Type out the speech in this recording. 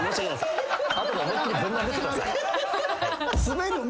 後で思い切りぶん殴ってください。